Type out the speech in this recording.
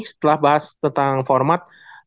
setelah bahas tentang format